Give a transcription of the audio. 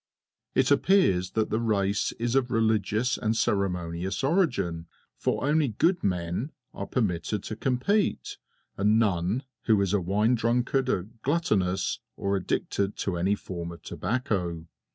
It appears that the race is of religious and ceremonious origin, for only "good men" are permitted to compete, and none who is a wine drunkard, a gluttonous, or addicted to any form of tobacco.